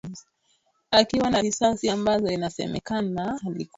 akiwa na risasi ambazo inasemekana alikuwa akizipeleka kwa wanamgambo katika mkoa wa Kobu